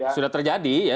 sudah terjadi ya